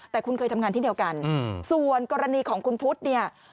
แต่คุณเคยทำงานที่เดียวกันส่วนกรณีของคุณพุทธเนี่ย